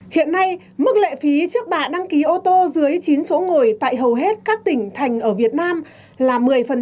hiện nay mức lệ phí trước bạ đăng ký ô tô dưới chín chỗ ngồi tại hầu hết các tỉnh thành ở việt nam là một mươi